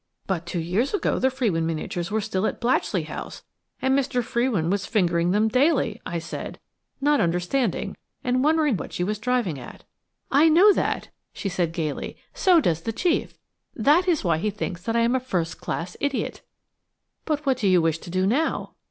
"But two years ago the Frewin miniatures were still at Blatchley House, and Mr. Frewin was fingering them daily," I said, not understanding, and wondering what she was driving at. "I know that," she said gaily, "so does the chief. That is why he thinks that I am a first class idiot." "But what do you wish to do now?"